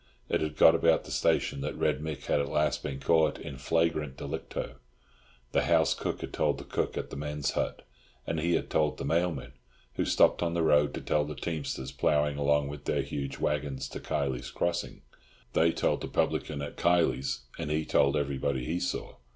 It had got about the station that Red Mick had at last been caught in flagrante delicto; the house cook had told the cook at the men's hut, and he had told the mailman, who stopped on the road to tell the teamsters ploughing along with their huge waggons to Kiley's Crossing; they told the publican at Kiley's, and he told everybody he saw.